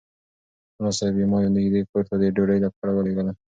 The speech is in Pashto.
ملا صاحب ما یو نږدې کور ته د ډوډۍ لپاره ولېږلم.